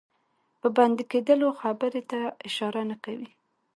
د بندي کېدلو خبري ته اشاره نه کوي.